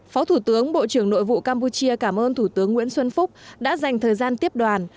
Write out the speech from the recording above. phó thủ tướng bộ trưởng nội vụ campuchia cảm ơn thủ tướng nguyễn xuân phúc đã dành thời gian tiếp đoàn